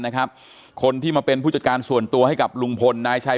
นะครับคนที่มาเป็นผู้จัดการส่วนตัวให้กับลุงพลนายชัย